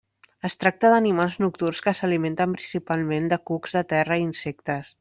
Es tracta d'animals nocturns que s'alimenten principalment de cucs de terra i insectes.